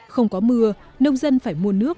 không có mưa nông dân phải mua nước